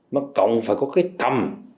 nó cộng phải có cái tầm